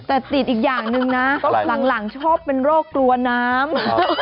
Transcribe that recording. แต่ติดอีกอย่างหนึ่งนะหลังชอบเป็นโรคกลัวน้ำ